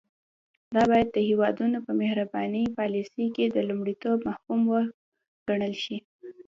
دا باید د هیوادونو په بهرنۍ پالیسۍ کې د لومړیتوب مفهوم وګڼل شي